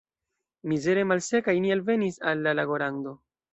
Mizere malsekaj ni alvenis al la lagorando.